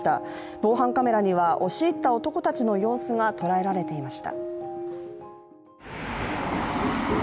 防犯カメラには、押し入った男たちの様子が捉えられていました。